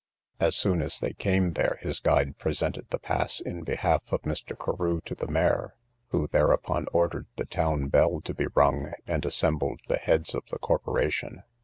As soon as they came there, his guide presented the pass in behalf of Mr. Carew to the mayor, who thereupon ordered the town bell to be rung, and assembled the heads of the corporation.